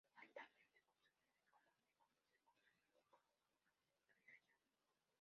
Altamente consumida en Colombia, conocida comúnmente como papa criolla"'.